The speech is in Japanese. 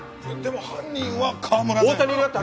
でも犯人は川村だよな？